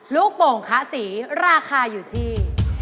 โป่งคะสีราคาอยู่ที่